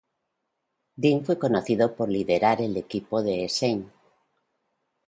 Dean fue conocido por liderar el equipo de St.